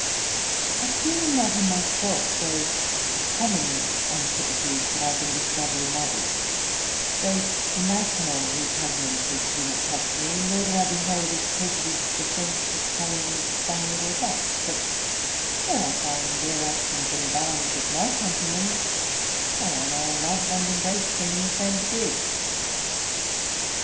I feel not in myself those common antipathies that I can discover in others; those national repugnances do not touch me, nor do I behold with prejudice the French, Italian, Spaniard, or Dutch: but where I find their actions in balance with my countrymen's, I honor, love, and embrace them in the same degree.